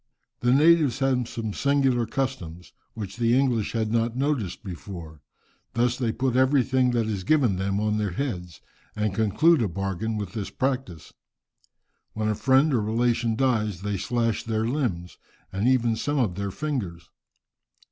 The natives have some singular customs, which the English had not noticed before. Thus they put everything that is given them on their heads, and conclude a bargain with this practice. When a friend or relation dies, they slash their limbs, and even some of their fingers.